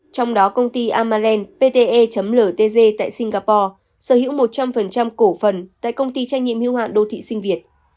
trong đó công ty amalland pte ltg tại singapore sở hữu một trăm linh cổ phần tại công ty trách nhiệm hưu hạn đô thị sinh việt